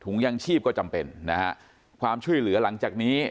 ยังชีพก็จำเป็นนะฮะความช่วยเหลือหลังจากนี้